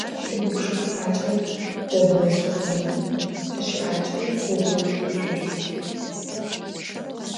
ТигупшысакӀэ зэблэтхъумэ тищыӀакӀи зэблэтхъушъущт.